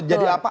atau jadi apa